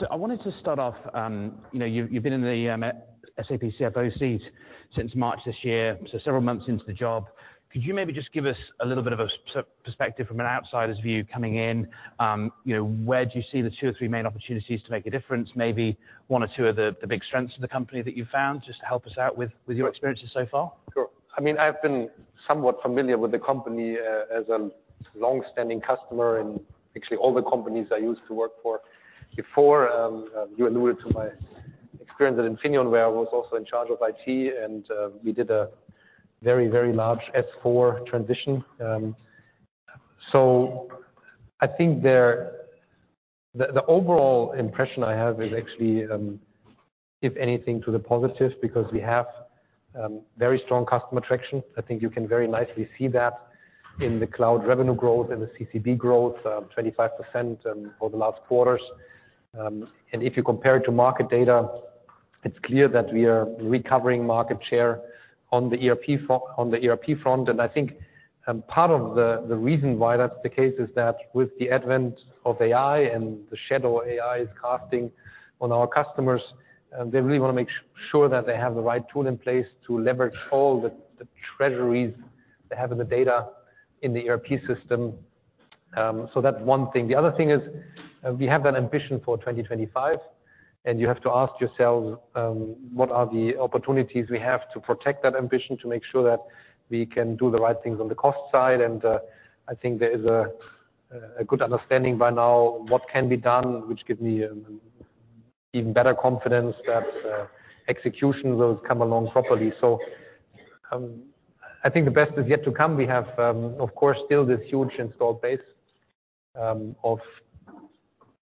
So I wanted to start off, you know, you've been in the SAP CFO seat since March this year, so several months into the job. Could you maybe just give us a little bit of a perspective from an outsider's view coming in, you know, where do you see the two or three main opportunities to make a difference, maybe one or two of the big strengths of the company that you've found, just to help us out with your experiences so far? Sure. I mean, I've been somewhat familiar with the company, as a long-standing customer in actually all the companies I used to work for before. You alluded to my experience at Infineon, where I was also in charge of IT, and we did a very, very large S/4 transition. I think the overall impression I have is actually, if anything, to the positive because we have very strong customer traction. I think you can very nicely see that in the cloud revenue growth and the CCB growth, 25%, over the last quarters, and if you compare it to market data, it's clear that we are recovering market share on the ERP front. I think part of the reason why that's the case is that with the advent of AI and the shadow AIs casting on our customers, they really wanna make sure that they have the right tool in place to leverage all the treasuries they have in the data in the ERP system. So that's one thing. The other thing is, we have that ambition for 2025, and you have to ask yourselves, what are the opportunities we have to protect that ambition to make sure that we can do the right things on the cost side. I think there is a good understanding by now what can be done, which gives me even better confidence that execution will come along properly. So, I think the best is yet to come. We have, of course, still this huge installed base of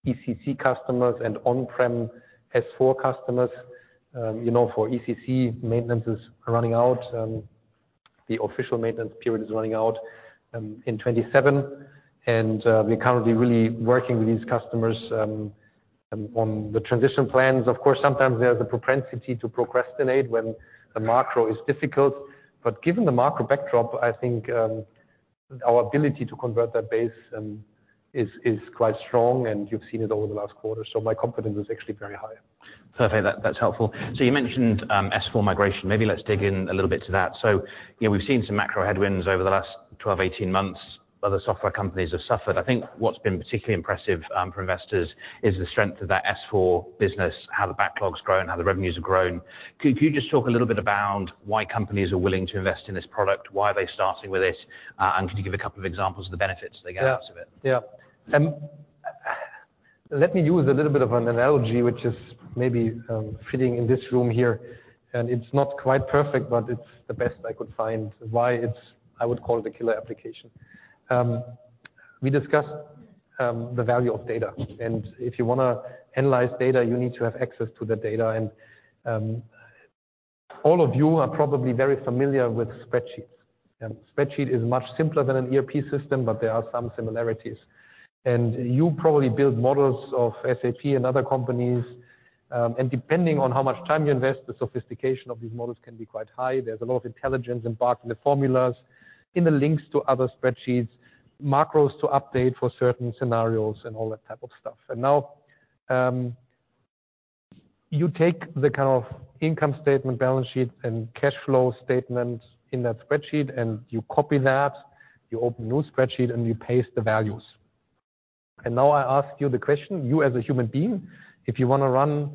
ECC customers and on-prem S/4 customers. You know, for ECC, maintenance is running out. The official maintenance period is running out in 2027, and we're currently really working with these customers on the transition plans. Of course, sometimes there's a propensity to procrastinate when the macro is difficult, but given the macro backdrop, I think our ability to convert that base is quite strong, and you've seen it over the last quarter, so my confidence is actually very high. Perfect. That's helpful. So you mentioned S/4 migration. Maybe let's dig in a little bit to that. So, you know, we've seen some macro headwinds over the last 12-18 months. Other software companies have suffered. I think what's been particularly impressive for investors is the strength of that S/4 business, how the backlog's grown, how the revenues have grown. Could you just talk a little bit about why companies are willing to invest in this product, why are they starting with it, and could you give a couple of examples of the benefits they get out of it? Yeah. Yeah. Let me use a little bit of an analogy, which is maybe fitting in this room here, and it's not quite perfect, but it's the best I could find why it's I would call it a killer application. We discussed the value of data, and if you wanna analyze data, you need to have access to that data. All of you are probably very familiar with spreadsheets. Spreadsheet is much simpler than an ERP system, but there are some similarities. You probably build models of SAP and other companies, and depending on how much time you invest, the sophistication of these models can be quite high. There's a lot of intelligence embedded in the formulas, in the links to other spreadsheets, macros to update for certain scenarios, and all that type of stuff. And now, you take the kind of income statement, balance sheet, and cash flow statement in that spreadsheet, and you copy that. You open a new spreadsheet, and you paste the values. And now I ask you the question, you as a human being, if you wanna run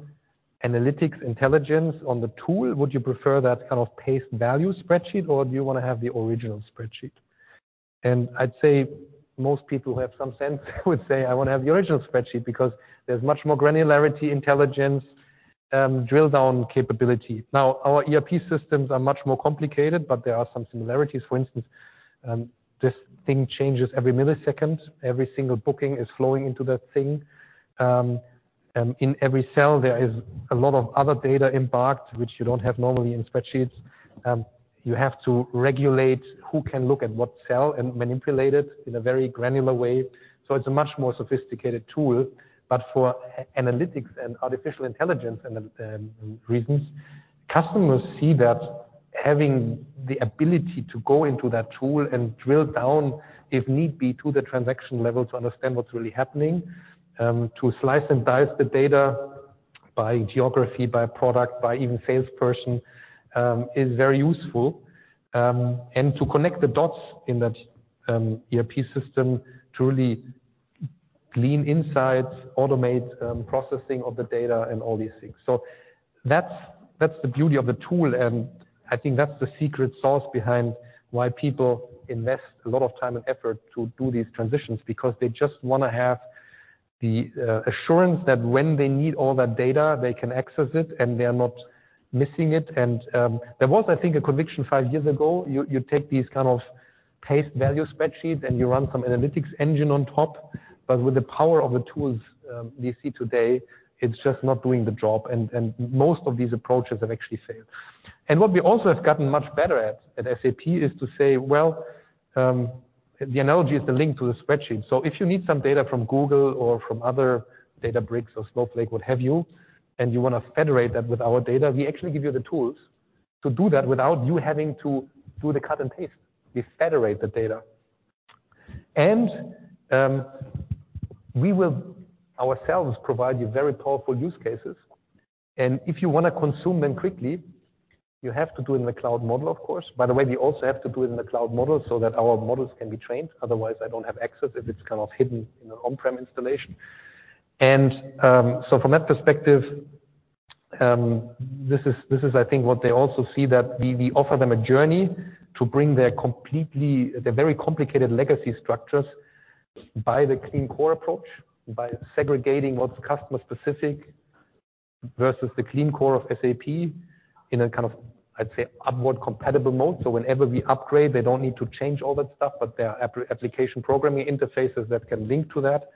analytics intelligence on the tool, would you prefer that kind of paste value spreadsheet, or do you wanna have the original spreadsheet? And I'd say most people who have some sense would say, "I wanna have the original spreadsheet because there's much more granularity, intelligence, drill-down capability." Now, our ERP systems are much more complicated, but there are some similarities. For instance, this thing changes every millisecond. Every single booking is flowing into that thing. In every cell, there is a lot of other data embarked, which you don't have normally in spreadsheets. You have to regulate who can look at what cell and manipulate it in a very granular way, so it's a much more sophisticated tool, but for analytics and artificial intelligence and reasons, customers see that having the ability to go into that tool and drill down, if need be, to the transaction level to understand what's really happening, to slice and dice the data by geography, by product, by even salesperson, is very useful, and to connect the dots in that ERP system to really glean insights, automate processing of the data, and all these things, so that's the beauty of the tool, and I think that's the secret sauce behind why people invest a lot of time and effort to do these transitions, because they just wanna have the assurance that when they need all that data, they can access it, and they're not missing it. There was, I think, a conviction five years ago. You take these kind of pasted-value spreadsheets, and you run some analytics engine on top. With the power of the tools we see today, it's just not doing the job. Most of these approaches have actually failed. What we also have gotten much better at, at SAP is to say, "Well, the analogy is the link to the spreadsheet." If you need some data from Google or from other Databricks or Snowflake, what have you, and you wanna federate that with our data, we actually give you the tools to do that without you having to do the cut and paste. We federate the data. We will ourselves provide you very powerful use cases. If you wanna consume them quickly, you have to do it in the cloud model, of course. By the way, we also have to do it in the cloud model so that our models can be trained. Otherwise, I don't have access if it's kind of hidden in an on-prem installation, and so from that perspective, this is, I think, what they also see, that we offer them a journey to bring their completely very complicated legacy structures by the Clean Core approach, by segregating what's customer-specific versus the Clean Core of SAP in a kind of, I'd say, upward-compatible mode, so whenever we upgrade, they don't need to change all that stuff, but there are application programming interfaces that can link to that,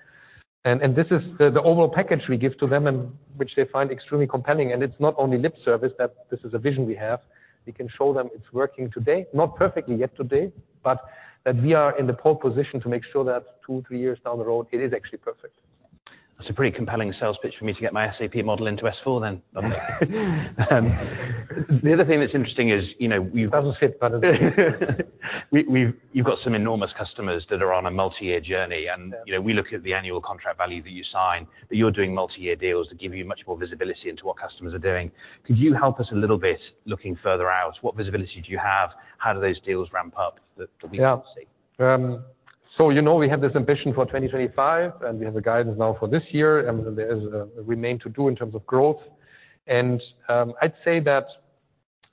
and this is the overall package we give to them, which they find extremely compelling, and it's not only lip service that this is a vision we have. We can show them it's working today, not perfectly yet today, but that we are in the pole position to make sure that two, three years down the road, it is actually perfect. That's a pretty compelling sales pitch for me to get my SAP model into S/4 then. The other thing that's interesting is, you know, we've. Doesn't fit, but it's good. You've got some enormous customers that are on a multi-year journey. You know, we look at the annual contract value that you sign, but you're doing multi-year deals that give you much more visibility into what customers are doing. Could you help us a little bit looking further out? What visibility do you have? How do those deals ramp up that we can't see? Yeah, so, you know, we have this ambition for 2025, and we have a guidance now for this year. And there is a remain to do in terms of growth. And, I'd say that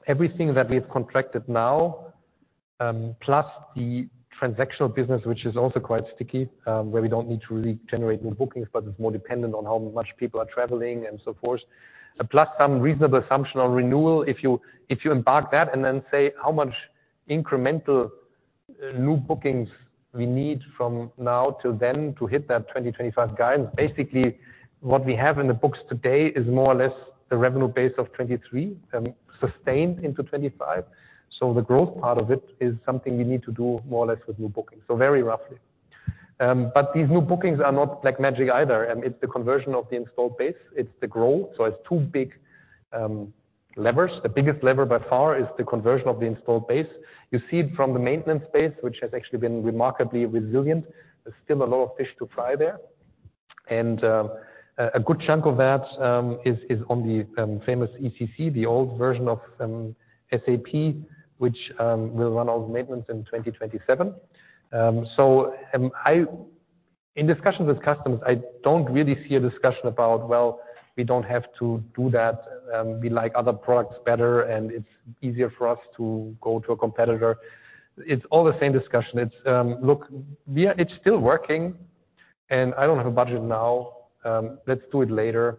everything that we've contracted now, plus the transactional business, which is also quite sticky, where we don't need to regenerate new bookings, but it's more dependent on how much people are traveling and so forth, plus some reasonable assumption on renewal, if you embark that and then say, "How much incremental new bookings we need from now till then to hit that 2025 guidance?" Basically, what we have in the books today is more or less the revenue base of 2023, sustained into 2025. So the growth part of it is something we need to do more or less with new bookings, so very roughly. But these new bookings are not black magic either. It's the conversion of the installed base. It's the growth. So it's two big levers. The biggest lever by far is the conversion of the installed base. You see it from the maintenance base, which has actually been remarkably resilient. There's still a lot of fish to fry there. And a good chunk of that is on the famous ECC, the old version of SAP, which will run all the maintenance in 2027. So in discussions with customers, I don't really see a discussion about, "Well, we don't have to do that. We like other products better, and it's easier for us to go to a competitor." It's all the same discussion. It's, "Look, we're it's still working, and I don't have a budget now. Let's do it later,"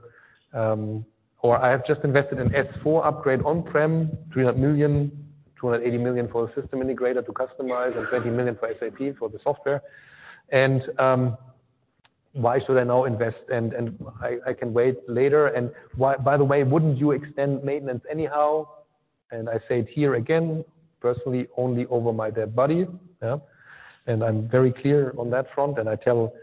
or, "I have just invested in S/4 upgrade on-prem, 300 million, 280 million for the system integrator to customize, and 20 million for SAP for the software. And why should I now invest? And and I, I can wait later. And why by the way, wouldn't you extend maintenance anyhow?" And I say it here again, personally, only over my dead body, yeah? And I'm very clear on that front. And I tell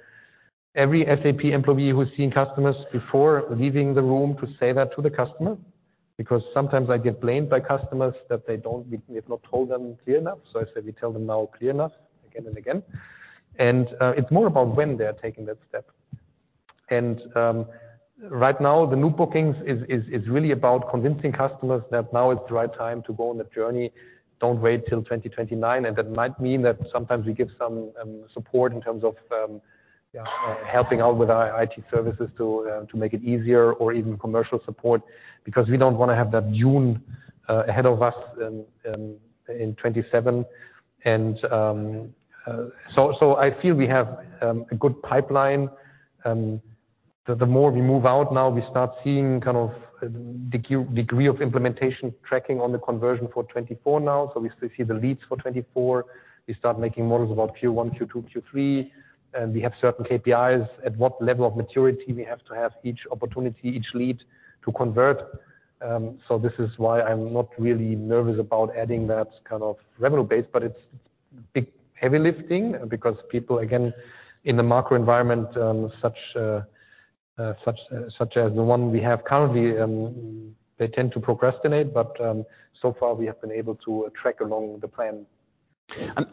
every SAP employee who's seen customers before leaving the room to say that to the customer, because sometimes I get blamed by customers that they don't. We've not told them clear enough. So I say, "We tell them now clear enough again and again." It's more about when they're taking that step. Right now, the new bookings is really about convincing customers that now is the right time to go on the journey. Don't wait till 2029. And that might mean that sometimes we give some support in terms of, yeah, helping out with our IT services to make it easier or even commercial support, because we don't wanna have that J Curve ahead of us, in 2027. So I feel we have a good pipeline. The more we move out now, we start seeing kind of the degree of implementation tracking on the conversion for 2024 now. So we still see the leads for 2024. We start making models about Q1, Q2, Q3. And we have certain KPIs at what level of maturity we have to have each opportunity, each lead to convert. So this is why I'm not really nervous about adding that kind of revenue base. But it's big heavy lifting, because people, again, in the macro environment, such as the one we have currently, they tend to procrastinate. But so far, we have been able to track along the plan.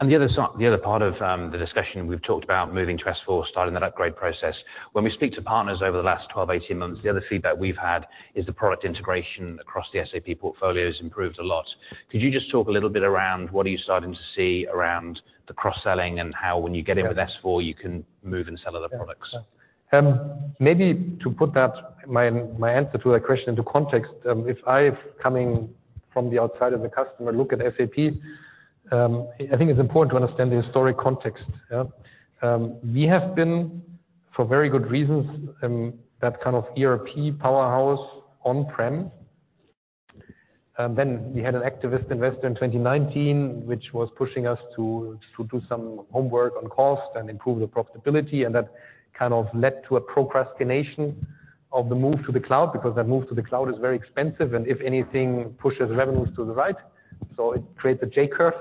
The other part of the discussion we've talked about moving to S/4, starting that upgrade process. When we speak to partners over the last 12-18 months, the other feedback we've had is the product integration across the SAP portfolios improved a lot. Could you just talk a little bit around what are you starting to see around the cross-selling and how, when you get in with S/4, you can move and sell other products? Yeah. Maybe to put that my answer to that question into context, if I'm coming from the outside as a customer look at SAP, I think it's important to understand the historic context, yeah? We have been, for very good reasons, that kind of ERP powerhouse on-prem, then we had an activist investor in 2019, which was pushing us to do some homework on cost and improve the profitability, and that kind of led to a procrastination of the move to the cloud, because that move to the cloud is very expensive, and if anything, pushes revenues to the right, so it creates a J Curve,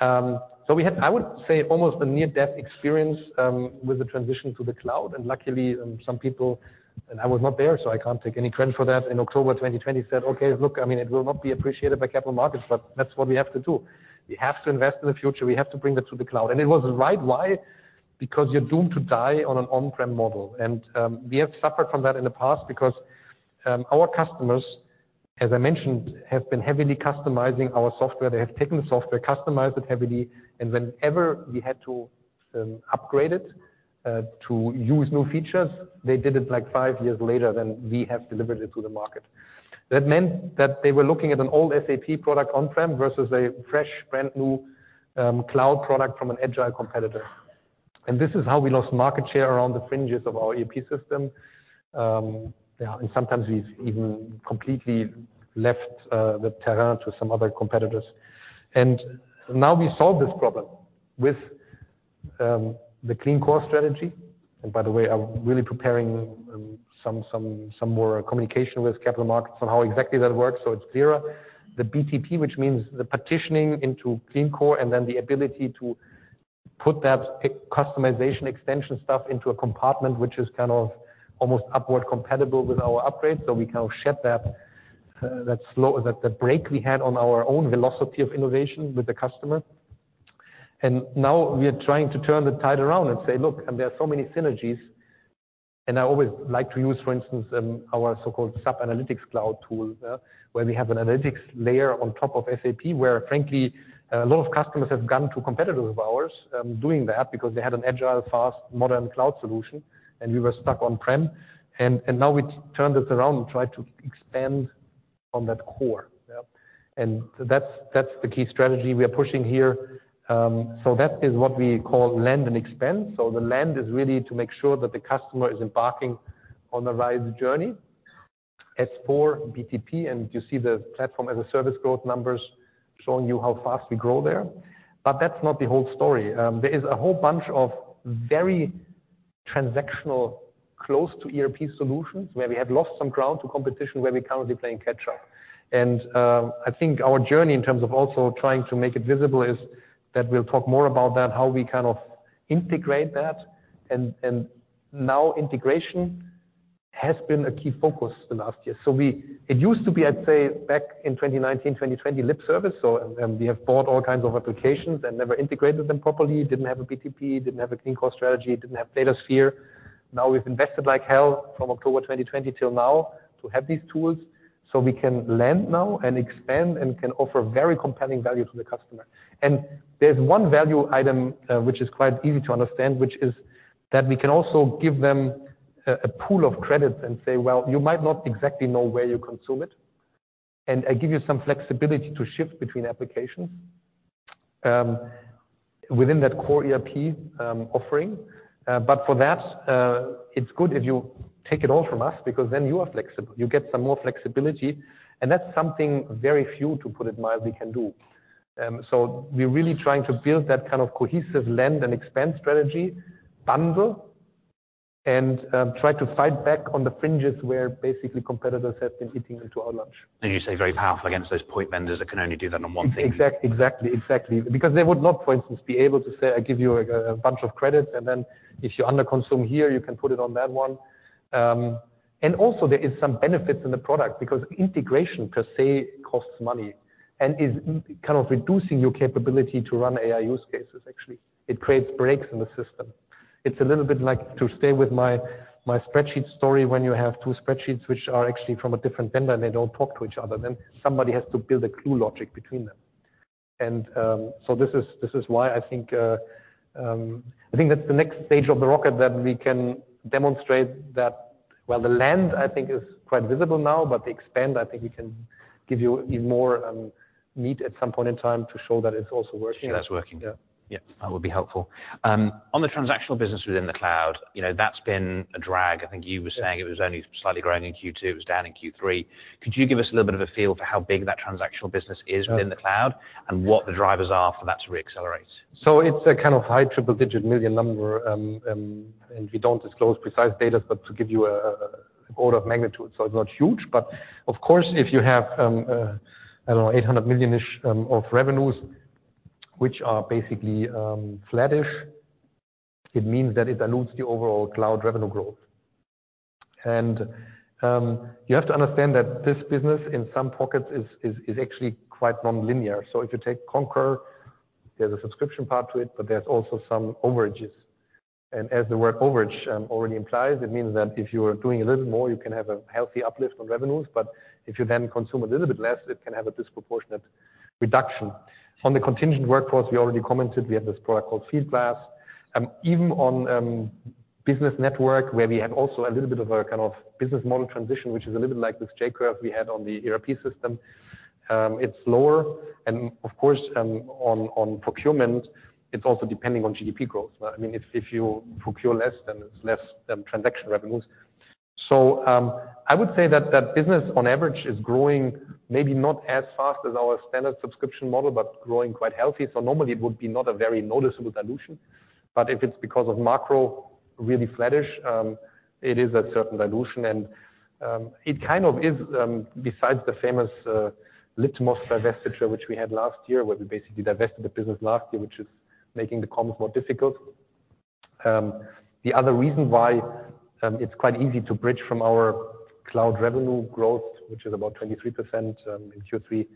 so we had, I would say, almost a near-death experience with the transition to the cloud. And luckily, some people, and I was not there, so I can't take any credit for that, in October 2020 said, "Okay, look, I mean, it will not be appreciated by capital markets, but that's what we have to do. We have to invest in the future. We have to bring that to the cloud." And it was right. Why? Because you're doomed to die on an on-prem model. And we have suffered from that in the past, because our customers, as I mentioned, have been heavily customizing our software. They have taken the software, customized it heavily. And whenever we had to upgrade it to use new features, they did it like five years later than we have delivered it to the market. That meant that they were looking at an old SAP product on-prem versus a fresh, brand new, cloud product from an agile competitor. This is how we lost market share around the fringes of our ERP system. Sometimes we've even completely left the terrain to some other competitors. Now we solve this problem with the Clean Core strategy. By the way, I'm really preparing some more communication with capital markets on how exactly that works, so it's clearer. The BTP, which means the partitioning into Clean Core, and then the ability to put that customization extension stuff into a compartment, which is kind of almost upward-compatible with our upgrade. So we kind of shed that slow break we had on our own velocity of innovation with the customer. And now we are trying to turn the tide around and say, "Look, and there are so many synergies." And I always like to use, for instance, our so-called SAP Analytics Cloud tool, yeah, where we have an analytics layer on top of SAP, where, frankly, a lot of customers have gone to competitors of ours, doing that, because they had an agile, fast, modern cloud solution, and we were stuck on-prem. And now we turned this around and tried to expand on that core, yeah? And that's the key strategy we are pushing here, so that is what we call land and expand. So the land is really to make sure that the customer is embarking on the right journey. S/4, BTP, and you see the platform as a service growth numbers showing you how fast we grow there. But that's not the whole story. There is a whole bunch of very transactional, close-to-ERP solutions where we have lost some ground to competition, where we're currently playing catch-up. And, I think our journey in terms of also trying to make it visible is that we'll talk more about that, how we kind of integrate that. And now integration has been a key focus the last year. So it used to be, I'd say, back in 2019, 2020, lip service. So, we have bought all kinds of applications and never integrated them properly. Didn't have a BTP, didn't have a clean core strategy, didn't have Datasphere. Now we've invested like hell from October 2020 till now to have these tools. So we can land now and expand and can offer very compelling value to the customer. And there's one value item, which is quite easy to understand, which is that we can also give them a pool of credits and say, "Well, you might not exactly know where you consume it. And I give you some flexibility to shift between applications, within that core ERP offering." But for that, it's good if you take it all from us, because then you are flexible. You get some more flexibility. And that's something very few, to put it mildly, can do. So we're really trying to build that kind of cohesive land and expense strategy bundle and try to fight back on the fringes where basically competitors have been eating into our lunch. You say very powerful against those point vendors that can only do that on one thing. Exactly. Exactly. Exactly. Because they would not, for instance, be able to say, "I give you a bunch of credits, and then if you underconsume here, you can put it on that one," and also, there is some benefits in the product, because integration per se costs money and is kind of reducing your capability to run AI use cases, actually. It creates breaks in the system. It's a little bit like to stay with my spreadsheet story when you have two spreadsheets which are actually from a different vendor, and they don't talk to each other. Then somebody has to build a glue logic between them. This is why I think that's the next stage of the rocket that we can demonstrate. Well, the land, I think, is quite visible now, but the expand, I think, we can give you even more meat at some point in time to show that it's also working. That's working. Yeah. Yeah. That would be helpful. On the transactional business within the cloud, you know, that's been a drag. I think you were saying it was only slightly growing in Q2. It was down in Q3. Could you give us a little bit of a feel for how big that transactional business is within the cloud and what the drivers are for that to reaccelerate? So it's a kind of high triple-digit million number, and we don't disclose precise data, but to give you an order of magnitude. So it's not huge. But of course, if you have, I don't know, 800 million-ish of revenues, which are basically flattish, it means that it dilutes the overall cloud revenue growth. And you have to understand that this business in some pockets is actually quite non-linear. So if you take Concur, there's a subscription part to it, but there's also some overages. And as the word overage already implies, it means that if you're doing a little bit more, you can have a healthy uplift on revenues. But if you then consume a little bit less, it can have a disproportionate reduction. On the contingent workforce, we already commented. We have this product called Fieldglass. Even on Business Network, where we have also a little bit of a kind of business model transition, which is a little bit like this J Curve we had on the ERP system, it's lower. And of course, on procurement, it's also depending on GDP growth. I mean, if you procure less, then it's less transaction revenues. So I would say that that business, on average, is growing maybe not as fast as our standard subscription model, but growing quite healthy. So normally, it would be not a very noticeable dilution. But if it's because of macro really flattish, it is a certain dilution. And it kind of is, besides the famous Litmos divestiture, which we had last year, where we basically divested the business last year, which is making the comps more difficult. The other reason why, it's quite easy to bridge from our cloud revenue growth, which is about 23% in Q3,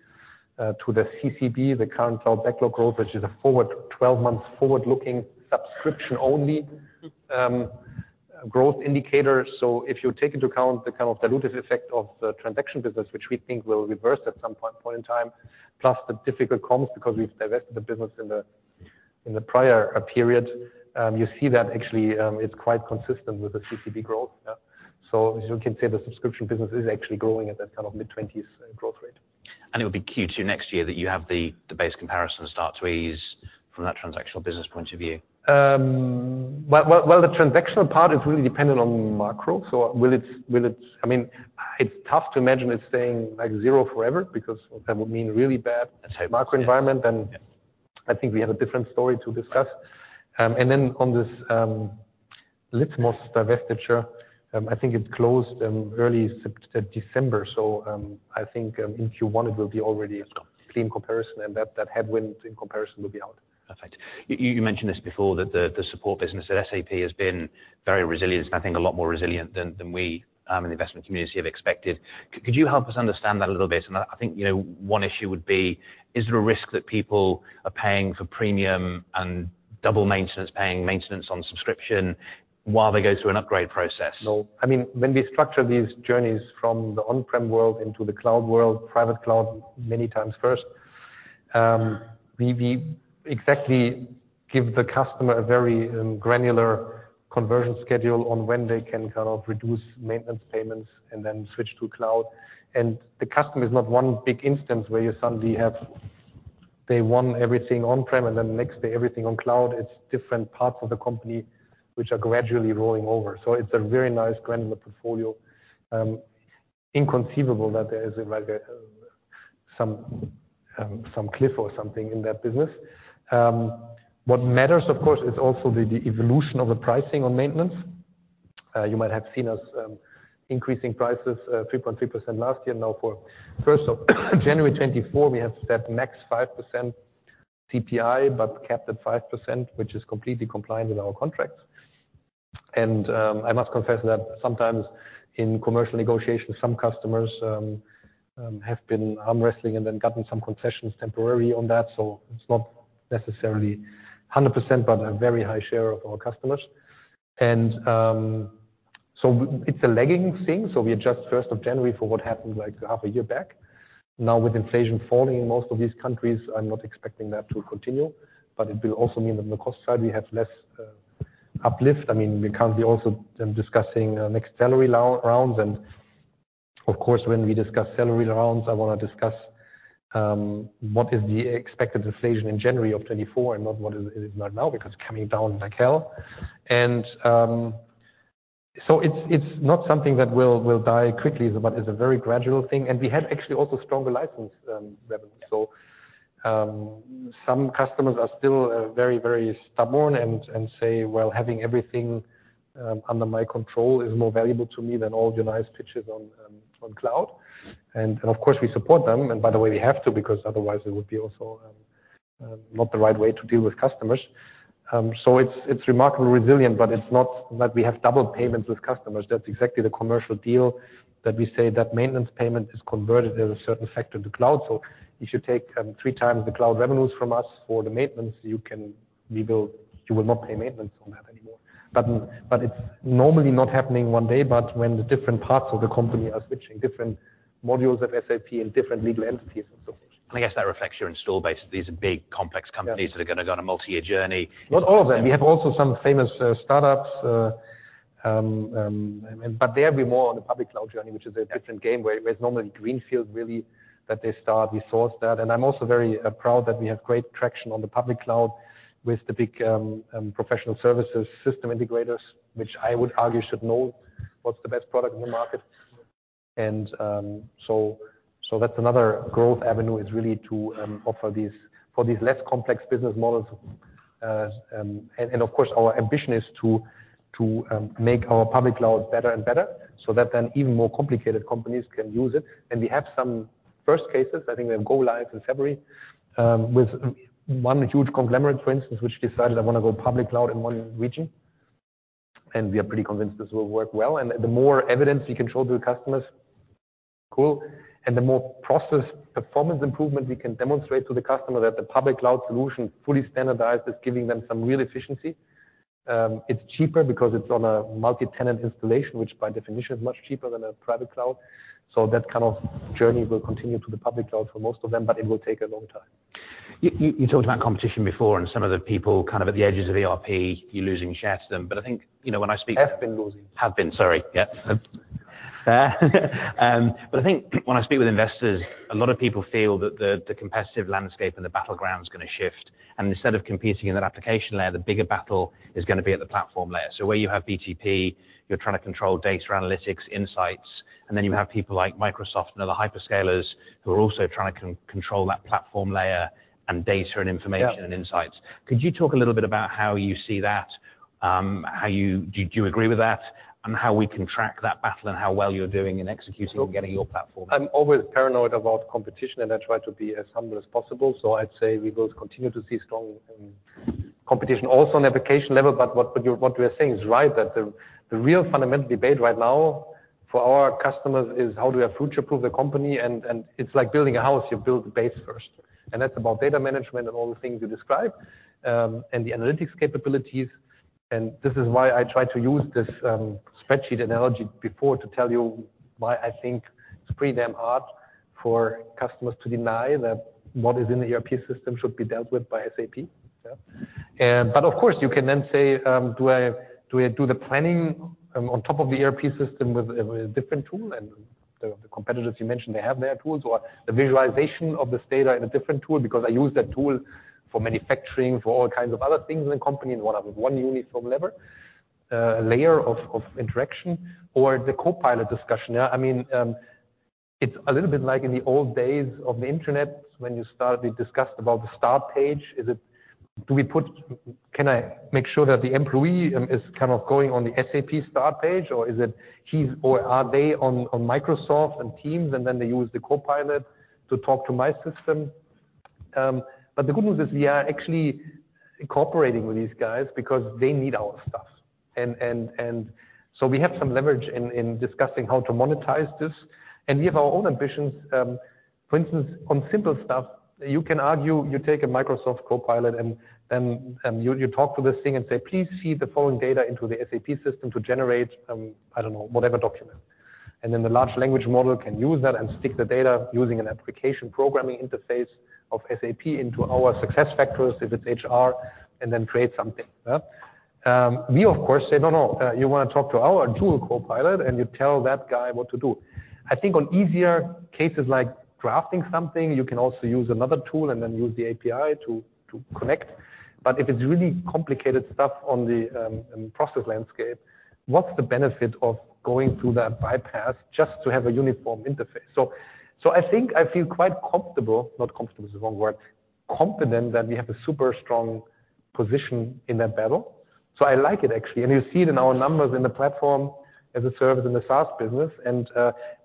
to the CCB, the current cloud backlog growth, which is a forward 12-month forward-looking subscription-only growth indicator. So if you take into account the kind of dilutive effect of the transaction business, which we think will reverse at some point in time, plus the difficult comps, because we've divested the business in the prior period, you see that actually, it's quite consistent with the CCB growth, yeah? So you can say the subscription business is actually growing at that kind of mid-20s growth rate. It would be Q2 next year that you have the base comparison start to ease from that transactional business point of view. The transactional part is really dependent on macro. So, will it? I mean, it's tough to imagine it staying like zero forever, because that would mean really bad macro environment. That's hopeful. Then I think we have a different story to discuss. And then on this Litmos divestiture, I think it closed early December. So, I think, in Q1, it will be already a clean comparison. And that headwind in comparison will be out. Perfect. You mentioned this before, that the support business at SAP has been very resilient, and I think a lot more resilient than we, in the investment community have expected. Could you help us understand that a little bit? And I think, you know, one issue would be, is there a risk that people are paying for premium and double maintenance, paying maintenance on subscription while they go through an upgrade process? No. I mean, when we structure these journeys from the on-prem world into the cloud world, private cloud many times first, we exactly give the customer a very granular conversion schedule on when they can kind of reduce maintenance payments and then switch to cloud. And the customer is not one big instance where you suddenly have, day one, everything on-prem, and then the next day, everything on cloud. It's different parts of the company which are gradually rolling over. So it's a very nice granular portfolio. Inconceivable that there is, like, some cliff or something in that business. What matters, of course, is also the evolution of the pricing on maintenance. You might have seen us increasing prices 3.3% last year. Now, for first of January 2024, we have set max 5% CPI, but capped at 5%, which is completely compliant with our contracts. I must confess that sometimes in commercial negotiations, some customers have been arm wrestling and then gotten some concessions temporarily on that. So it's not necessarily 100%, but a very high share of our customers. And so it's a lagging thing. So we adjust 1st of January for what happened like half a year back. Now, with inflation falling in most of these countries, I'm not expecting that to continue. But it will also mean that on the cost side, we have less uplift. I mean, we're currently also discussing next salary rounds. And of course, when we discuss salary rounds, I want to discuss what is the expected inflation in January of 2024 and not what it is now, because it's coming down like hell. And so it's not something that will die quickly, but it's a very gradual thing. And we had actually also stronger license revenue. So, some customers are still very, very stubborn and say, "Well, having everything under my control is more valuable to me than all your nice pitches on cloud." And of course, we support them. And by the way, we have to, because otherwise, it would be also not the right way to deal with customers. So it's remarkably resilient, but it's not that we have double payments with customers. That's exactly the commercial deal that we say that maintenance payment is converted as a certain factor to cloud. So if you take three times the cloud revenues from us for the maintenance, you can we will you will not pay maintenance on that anymore. But it's normally not happening one day, but when the different parts of the company are switching different modules of SAP and different legal entities and so forth. I guess that reflects your installed base. These are big, complex companies that are going to go on a multi-year journey. Not all of them. We have also some famous startups, but they'll be more on the public cloud journey, which is a different game where it's normally greenfield, really, that they start. We source that. And I'm also very proud that we have great traction on the public cloud with the big professional services system integrators, which I would argue should know what's the best product in the market. And so that's another growth avenue is really to offer these for these less complex business models. And of course, our ambition is to make our public cloud better and better so that then even more complicated companies can use it. And we have some first cases. I think we have go-live in February, with one huge conglomerate, for instance, which decided, "I want to go public cloud in one region," and we are pretty convinced this will work well, and the more evidence we can show to the customers, cool, and the more process performance improvement we can demonstrate to the customer that the public cloud solution fully standardized is giving them some real efficiency, it's cheaper because it's on a multi-tenant installation, which by definition is much cheaper than a private cloud, so that kind of journey will continue to the public cloud for most of them, but it will take a long time. You talked about competition before and some of the people kind of at the edges of ERP, you're losing share to them. But I think, you know, when I speak. Have been losing. Have been. Sorry. Yeah. Fair. But I think when I speak with investors, a lot of people feel that the competitive landscape and the battleground's going to shift. And instead of competing in that application layer, the bigger battle is going to be at the platform layer. So where you have BTP, you're trying to control data analytics, insights. And then you have people like Microsoft and other hyperscalers who are also trying to control that platform layer and data and information and insights. Could you talk a little bit about how you see that, how do you agree with that and how we can track that battle and how well you're doing in executing and getting your platform? I'm always paranoid about competition, and I try to be as humble as possible. So I'd say we will continue to see strong competition also on the application level. But what you're saying is right, that the real fundamental debate right now for our customers is how do I future-proof the company? And it's like building a house. You build the base first. And that's about data management and all the things you described, and the analytics capabilities. And this is why I tried to use this spreadsheet analogy before to tell you why I think it's pretty damn hard for customers to deny that what is in the ERP system should be dealt with by SAP, yeah? And but of course, you can then say, do I do the planning on top of the ERP system with a different tool? And the competitors you mentioned, they have their tools, or the visualization of this data in a different tool, because I use that tool for manufacturing, for all kinds of other things in the company in one uniform layer of interaction, or the copilot discussion, yeah? I mean, it's a little bit like in the old days of the internet when you start, we discussed about the start page. Is it, do we put, can I make sure that the employee is kind of going on the SAP start page, or is it he's or are they on Microsoft Teams, and then they use the copilot to talk to my system? But the good news is we are actually cooperating with these guys because they need our stuff. And so we have some leverage in discussing how to monetize this. And we have our own ambitions. For instance, on simple stuff, you can argue you take a Microsoft Copilot and then, you, you talk to this thing and say, "Please feed the following data into the SAP system to generate, I don't know, whatever document." And then the large language model can use that and stick the data using an application programming interface of SAP into our SuccessFactors, if it's HR, and then create something, yeah? We, of course, say, "No, no, you want to talk to our Joule copilot, and you tell that guy what to do." I think on easier cases like drafting something, you can also use another tool and then use the API to, to connect. But if it's really complicated stuff on the process landscape, what's the benefit of going through that bypass just to have a uniform interface? I think I feel quite comfortable. Not comfortable is the wrong word. Competent that we have a super strong position in that battle. I like it, actually. You see it in our numbers in the platform as a service in the SaaS business.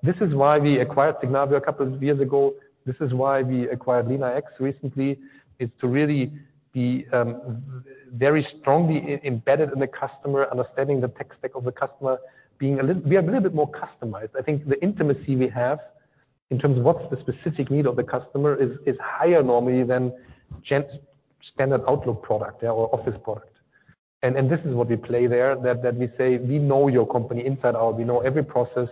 This is why we acquired Signavio a couple of years ago. This is why we acquired LeanIX recently, is to really be very strongly embedded in the customer, understanding the tech stack of the customer, being a little. We are a little bit more customized. I think the intimacy we have in terms of what's the specific need of the customer is higher normally than general standard Outlook product, yeah, or Office product. This is what we play there, that we say, "We know your company inside out. We know every process.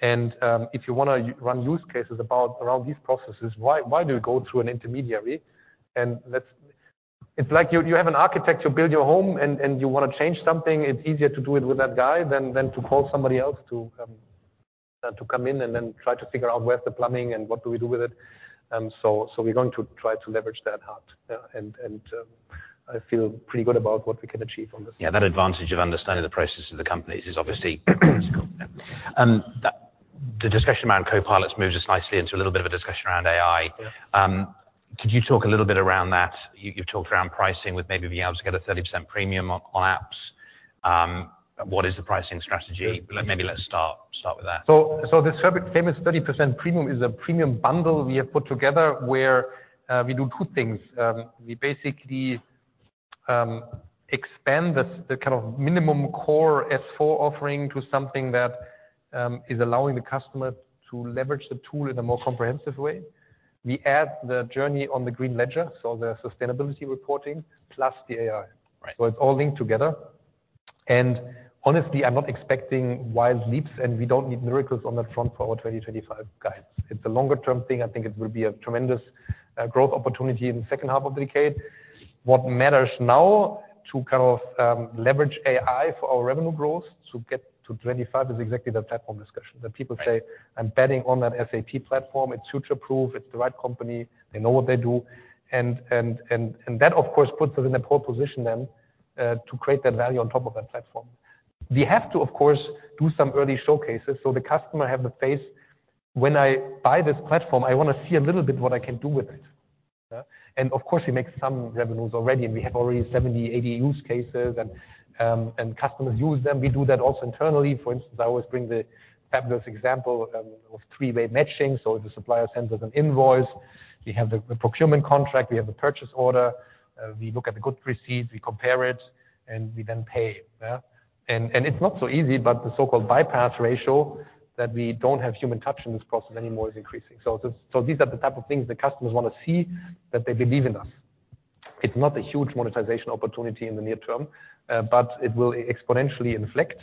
If you want to run use cases about around these processes, why do we go through an intermediary? That's it. It's like you have an architect. You build your home, and you want to change something. It's easier to do it with that guy than to call somebody else to come in and then try to figure out where's the plumbing and what do we do with it. We're going to try to leverage that hard, yeah. I feel pretty good about what we can achieve on this. Yeah. That advantage of understanding the processes of the companies is obviously critical, yeah? That the discussion around copilots moves us nicely into a little bit of a discussion around AI. Could you talk a little bit around that? You, you've talked around pricing with maybe being able to get a 30% premium on apps. What is the pricing strategy? Maybe let's start with that. So, the famous 30% premium is a premium bundle we have put together where we do two things. We basically expand the kind of minimum core S/4 offering to something that is allowing the customer to leverage the tool in a more comprehensive way. We add the journey on the Green Ledger, so the sustainability reporting, plus the AI. Right. So it's all linked together. And honestly, I'm not expecting wild leaps, and we don't need miracles on that front for our 2025 guidance. It's a longer-term thing. I think it will be a tremendous growth opportunity in the second half of the decade. What matters now to kind of leverage AI for our revenue growth to get to 25 is exactly the platform discussion that people say, "I'm betting on that SAP platform. It's future-proof. It's the right company. They know what they do." And that, of course, puts us in a pole position then to create that value on top of that platform. We have to, of course, do some early showcases so the customer has the faith, "When I buy this platform, I want to see a little bit what I can do with it," yeah? Of course, we make some revenues already, and we have already 70, 80 use cases, and customers use them. We do that also internally. For instance, I always bring the fabulous example of three-way matching. So if the supplier sends us an invoice, we have the procurement contract, we have the purchase order, we look at the goods receipts, we compare it, and we then pay, yeah? And it's not so easy, but the so-called bypass ratio that we don't have human touch in this process anymore is increasing. So these are the type of things the customers want to see that they believe in us. It's not a huge monetization opportunity in the near term, but it will exponentially inflect.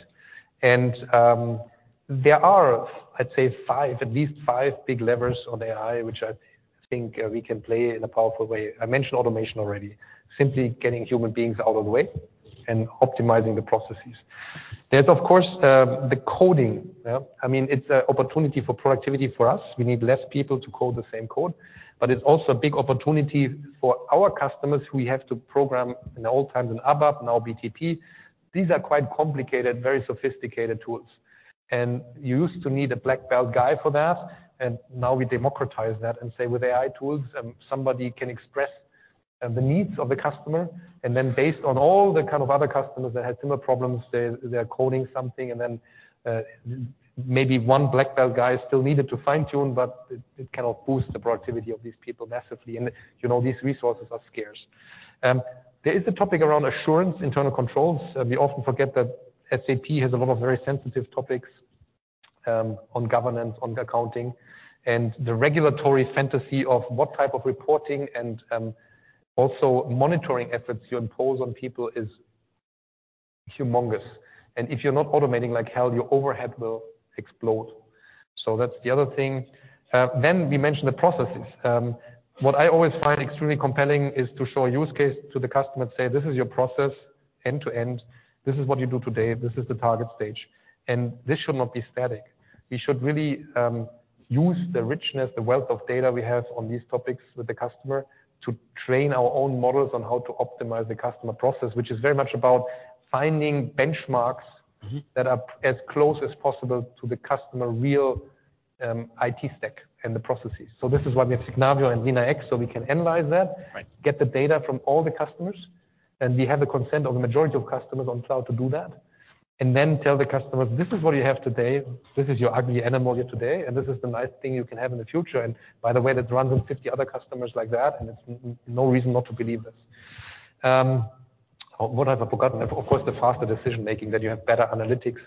And there are, I'd say, five, at least five big levers on AI, which I think we can play in a powerful way. I mentioned automation already, simply getting human beings out of the way and optimizing the processes. There's, of course, the coding, yeah? I mean, it's an opportunity for productivity for us. We need less people to code the same code. But it's also a big opportunity for our customers who we have to program in the old times in ABAP, now BTP. These are quite complicated, very sophisticated tools. And you used to need a black belt guy for that. And now we democratize that and say, "With AI tools, somebody can express, the needs of the customer." And then based on all the kind of other customers that had similar problems, they're coding something. And then, maybe one black belt guy is still needed to fine-tune, but it can boost the productivity of these people massively. And, you know, these resources are scarce. There is a topic around assurance, internal controls. We often forget that SAP has a lot of very sensitive topics, on governance, on accounting. And the regulatory fantasy of what type of reporting and, also monitoring efforts you impose on people is humongous. And if you're not automating like hell, your overhead will explode. So that's the other thing. Then we mentioned the processes. What I always find extremely compelling is to show a use case to the customer and say, "This is your process end to end. This is what you do today. This is the target stage." And this should not be static. We should really, use the richness, the wealth of data we have on these topics with the customer to train our own models on how to optimize the customer process, which is very much about finding benchmarks. Mm-hmm. That are as close as possible to the customer's real IT stack and the processes. So this is why we have Signavio and LeanIX, so we can analyze that. Right. Get the data from all the customers. And we have the consent of the majority of customers on cloud to do that. And then tell the customers, "This is what you have today. This is your ugly animal here today. And this is the nice thing you can have in the future. And by the way, that runs on 50 other customers like that. And there's no reason not to believe this." What have I forgotten? Of course, the faster decision-making that you have better analytics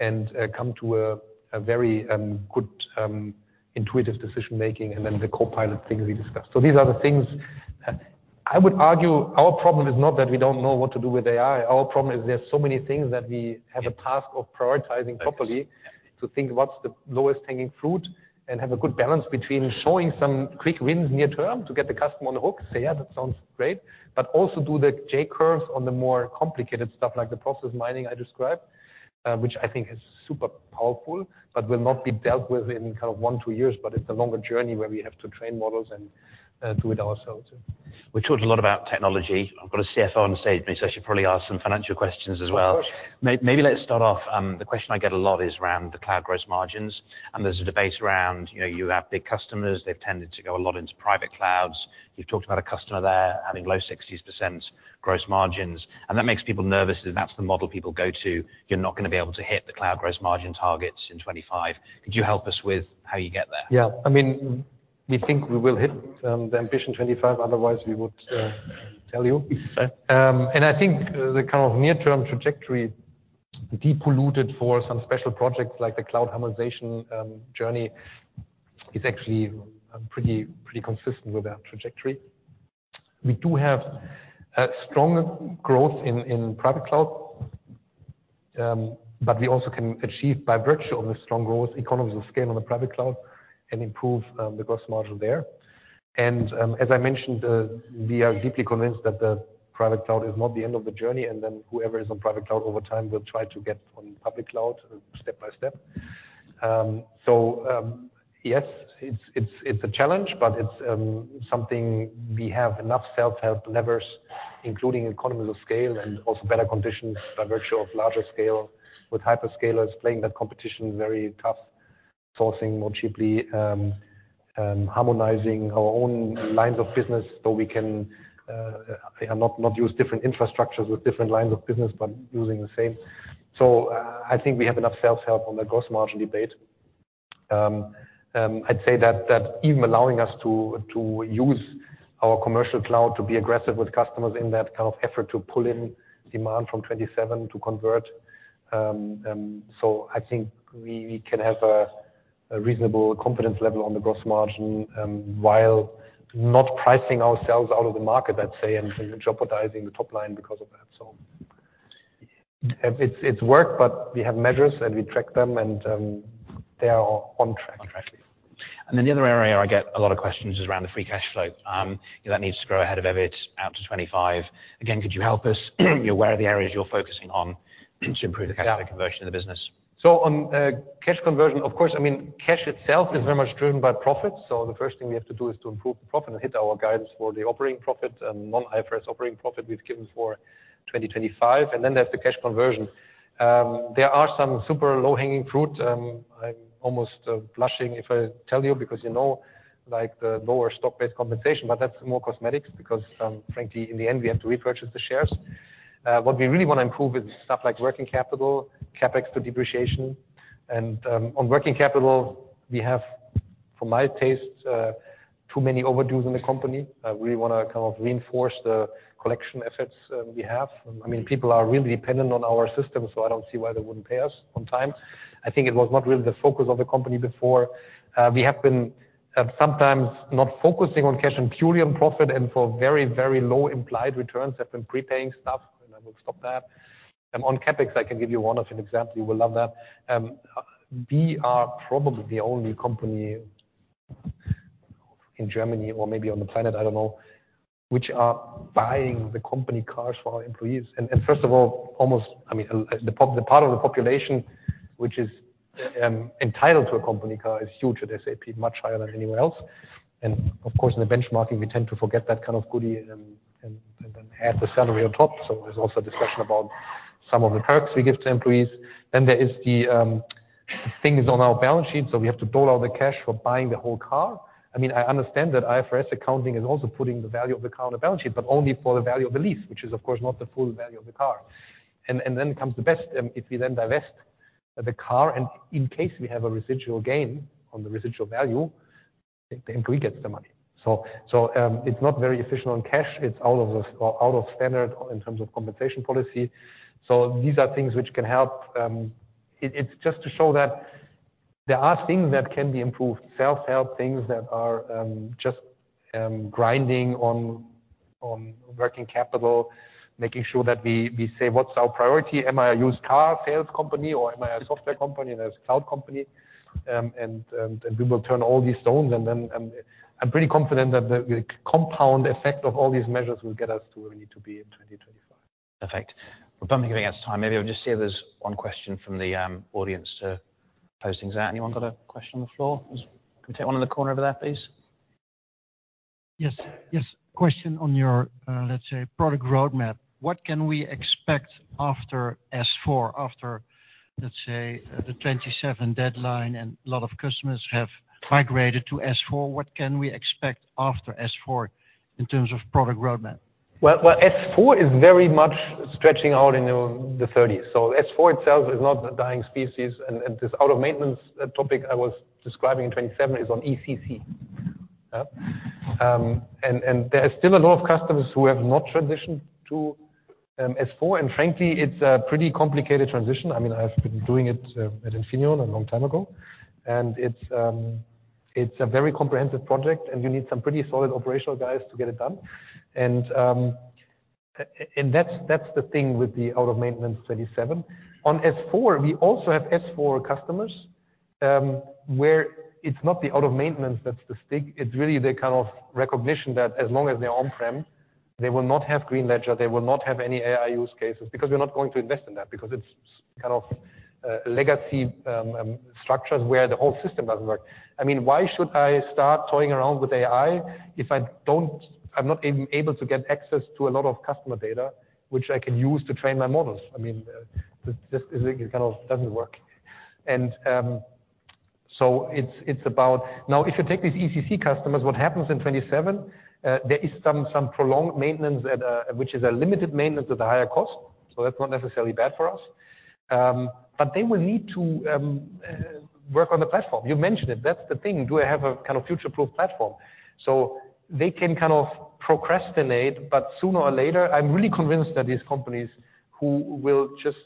and come to a very good, intuitive decision-making, and then the copilot things we discussed. So these are the things. I would argue our problem is not that we don't know what to do with AI. Our problem is there's so many things that we have a task of prioritizing properly to think what's the lowest hanging fruit and have a good balance between showing some quick wins near term to get the customer on the hook. Say, "Yeah, that sounds great," but also do the J Curve on the more complicated stuff like the process mining I described, which I think is super powerful but will not be dealt with in kind of one, two years. But it's a longer journey where we have to train models and, do it ourselves, yeah? We talked a lot about technology. I've got a CFO on stage with me, so she'll probably ask some financial questions as well. Of course. Maybe let's start off. The question I get a lot is around the cloud gross margins, and there's a debate around, you know, you have big customers. They've tended to go a lot into private clouds. You've talked about a customer there having low 60s% gross margins, and that makes people nervous that that's the model people go to. You're not going to be able to hit the cloud gross margin targets in 2025. Could you help us with how you get there? Yeah. I mean, we think we will hit the ambition 2025. Otherwise, we would tell you. So. And I think the kind of near-term trajectory diluted for some special projects like the cloud harmonization journey is actually pretty, pretty consistent with that trajectory. We do have a strong growth in private cloud, but we also can achieve by virtue of this strong growth economies of scale on the private cloud and improve the gross margin there. And as I mentioned, we are deeply convinced that the private cloud is not the end of the journey. And then whoever is on private cloud over time will try to get on public cloud step by step. So, yes, it's a challenge, but it's something we have enough self-help levers, including economies of scale and also better conditions by virtue of larger scale with hyperscalers playing that competition very tough, sourcing more cheaply, harmonizing our own lines of business, though we can not use different infrastructures with different lines of business but using the same. So I think we have enough self-help on the gross margin debate. I'd say that even allowing us to use our commercial cloud to be aggressive with customers in that kind of effort to pull in demand from 2027 to convert, so I think we can have a reasonable confidence level on the gross margin, while not pricing ourselves out of the market, I'd say, and jeopardizing the top line because of that. So it's work, but we have measures, and we track them, and they are on track. On track. And then the other area I get a lot of questions is around the free cash flow. That needs to grow ahead of EBIT out to 2025. Again, could you help us? You're aware of the areas you're focusing on to improve the cash flow conversion of the business? Yeah. So, on cash conversion, of course, I mean, cash itself is very much driven by profit. So the first thing we have to do is to improve the profit and hit our guidance for the operating profit, non-IFRS operating profit we've given for 2025. And then there's the cash conversion. There are some super low-hanging fruit. I'm almost blushing if I tell you because you know, like, the lower stock-based compensation, but that's more cosmetics because, frankly, in the end, we have to repurchase the shares. What we really want to improve is stuff like working capital, CapEx to depreciation. And, on working capital, we have, from my taste, too many overdues in the company. We really want to kind of reinforce the collection efforts we have. I mean, people are really dependent on our system, so I don't see why they wouldn't pay us on time. I think it was not really the focus of the company before. We have been, sometimes not focusing on cash and purely on profit and for very, very low implied returns have been prepaying stuff. And I will stop that. On CapEx, I can give you one example. You will love that. We are probably the only company in Germany or maybe on the planet, I don't know, which are buying the company cars for our employees. And first of all, almost, I mean, the part of the population, which is entitled to a company car, is huge at SAP, much higher than anywhere else. And of course, in the benchmarking, we tend to forget that kind of goody, and then add the salary on top. So there's also a discussion about some of the perks we give to employees. Then there is the things on our balance sheet. So we have to dole out the cash for buying the whole car. I mean, I understand that IFRS accounting is also putting the value of the car on the balance sheet, but only for the value of the lease, which is, of course, not the full value of the car. And then comes the best, if we then divest the car and in case we have a residual gain on the residual value, the employee gets the money. So, it's not very efficient on cash. It's out of standard in terms of compensation policy. So these are things which can help. It's just to show that there are things that can be improved, self-help things that are just grinding on working capital, making sure that we say, "What's our priority? Am I a used car sales company or am I a software company?" And there's a cloud company, and we will turn over every stone. And then, I'm pretty confident that the compound effect of all these measures will get us to where we need to be in 2025. Perfect. We're bumping up against time. Maybe I'll just see if there's one question from the audience to close things out. Anyone got a question on the floor? Can we take one in the corner over there, please? Yes. Yes. Question on your, let's say, product roadmap. What can we expect after S/4, after, let's say, the 2027 deadline and a lot of customers have migrated to S/4? What can we expect after S/4 in terms of product roadmap? S/4 is very much stretching out into the '30s. S/4 itself is not a dying species. And this out-of-maintenance topic I was describing in '27 is on ECC, yeah? And there are still a lot of customers who have not transitioned to S/4. And frankly, it's a pretty complicated transition. I mean, I've been doing it at Infineon a long time ago. And it's a very comprehensive project, and you need some pretty solid operational guys to get it done. And that's the thing with the out-of-maintenance '27. On S/4, we also have S/4 customers, where it's not the out-of-maintenance that's the stick. It's really the kind of recognition that as long as they're on-prem, they will not have Green Ledger. They will not have any AI use cases because we're not going to invest in that because it's kind of legacy structures where the whole system doesn't work. I mean, why should I start toying around with AI if I don't, I'm not even able to get access to a lot of customer data, which I can use to train my models? I mean, this is, it kind of doesn't work. So it's about now if you take these ECC customers, what happens in 2027. There is some prolonged maintenance that which is a limited maintenance at a higher cost. So that's not necessarily bad for us, but they will need to work on the platform. You mentioned it. That's the thing. Do I have a kind of future-proof platform? So they can kind of procrastinate, but sooner or later, I'm really convinced that these companies who will just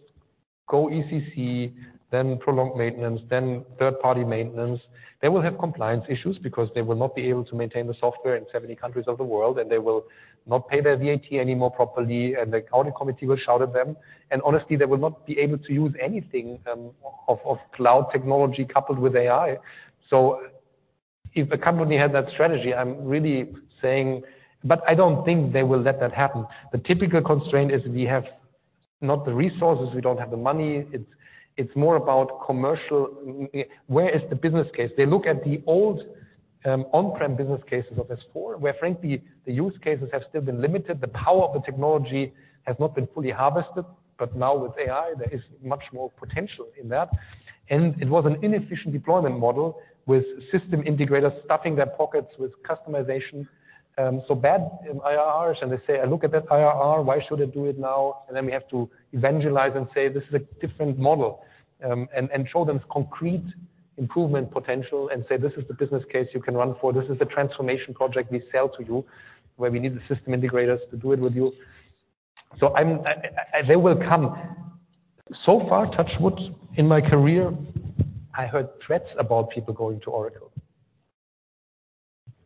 go ECC, then prolonged maintenance, then third-party maintenance, they will have compliance issues because they will not be able to maintain the software in 70 countries of the world. And they will not pay their VAT anymore properly. And the audit committee will shout at them. And honestly, they will not be able to use anything, of cloud technology coupled with AI. So if a company had that strategy, I'm really saying but I don't think they will let that happen. The typical constraint is we have not the resources. We don't have the money. It's more about commercial. Where is the business case? They look at the old, on-prem business cases of S/4, where, frankly, the use cases have still been limited. The power of the technology has not been fully harvested. But now with AI, there is much more potential in that. And it was an inefficient deployment model with system integrators stuffing their pockets with customization, so bad IRRs. And they say, "I look at that IRR. Why should I do it now?" And then we have to evangelize and say, "This is a different model," and show them concrete improvement potential and say, "This is the business case you can run for. This is a transformation project we sell to you where we need the system integrators to do it with you." So I bet they will come. So far, touch wood, in my career, I heard threats about people going to Oracle,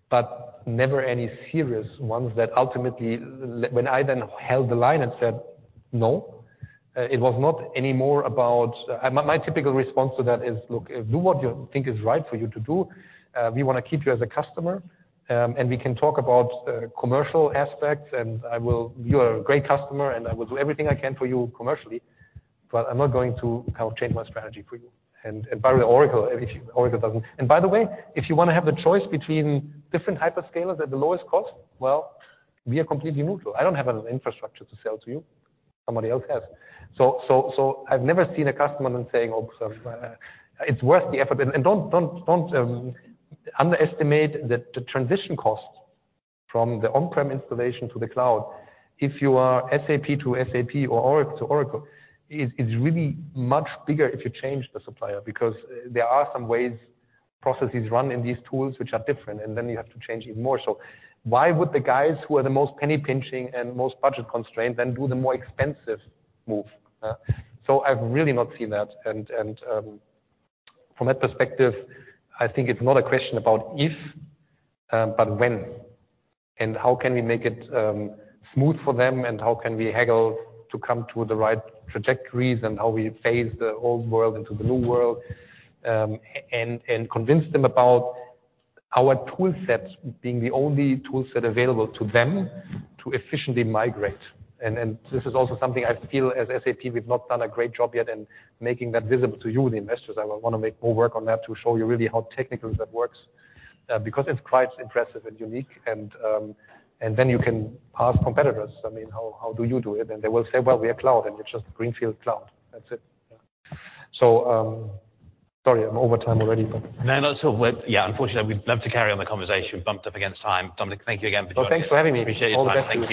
but never any serious ones that ultimately when I then held the line and said, "No," it was not anymore about. My typical response to that is, "Look, do what you think is right for you to do. We want to keep you as a customer, and we can talk about commercial aspects. And I will. You're a great customer, and I will do everything I can for you commercially, but I'm not going to kind of change my strategy for you." And by the way, Oracle, if Oracle doesn't, and by the way, if you want to have the choice between different hyperscalers at the lowest cost, well, we are completely neutral. I don't have an infrastructure to sell to you. Somebody else has. So I've never seen a customer then saying, "Oh, so it's worth the effort." And don't underestimate that the transition cost from the on-prem installation to the cloud, if you are SAP to SAP or Oracle to Oracle, it's really much bigger if you change the supplier because there are some ways processes run in these tools which are different, and then you have to change even more. So why would the guys who are the most penny-pinching and most budget-constrained then do the more expensive move? So I've really not seen that. And from that perspective, I think it's not a question about if, but when, and how can we make it smooth for them, and how can we haggle to come to the right trajectories and how we phase the old world into the new world, and convince them about our toolset being the only toolset available to them to efficiently migrate. And this is also something I feel as SAP, we've not done a great job yet in making that visible to you, the investors. I want to make more work on that to show you really how technical that works, because it's quite impressive and unique. And then you can ask competitors, "I mean, how do you do it?" And they will say, "Well, we are cloud, and it's just greenfield cloud." That's it. Yeah. So, sorry, I'm overtime already, but. No, no. So we're, yeah, unfortunately, we'd love to carry on the conversation. We've bumped up against time. Dominik, thank you again for joining us. Thanks for having me. Appreciate your time. All thanks.